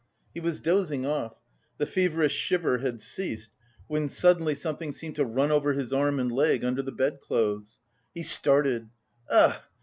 He was dozing off; the feverish shiver had ceased, when suddenly something seemed to run over his arm and leg under the bedclothes. He started. "Ugh!